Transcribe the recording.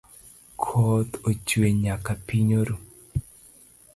Koth ochwe nyaka piny oru